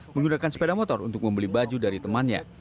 menggunakan sepeda motor untuk membeli baju dari temannya